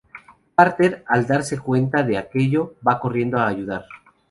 Cárter al darse cuenta de aquello va corriendo a ayudar.